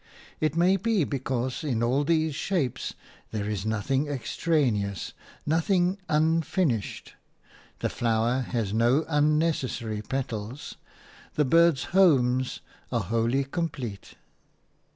It may be because in all these shapes there is nothing extraneous, nothing unfinished. The flower has no unnecessary petal; the birds' homes are wholly complete.